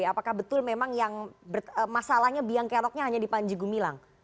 apakah betul memang yang masalahnya biang keroknya hanya di panji gumilang